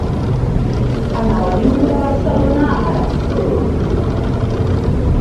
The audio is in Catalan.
Anar a l'avinguda Barcelona ara.